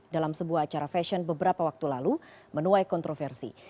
dalam sebuah acara fashion beberapa waktu lalu menuai kontroversi